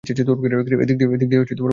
এদিক দিয়ে বেরোতে পারবো।